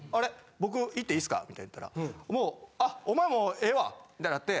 僕行って良いっすか？」って言ったらもう「あっお前もうええわ」みたいになって。